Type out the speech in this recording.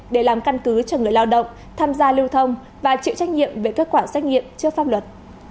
để làm căn cứ cho người lao động tham gia lưu thông và chịu trách nhiệm về kết quả xét nghiệm trước pháp luật